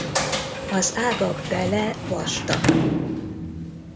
Az ágak bele vastag.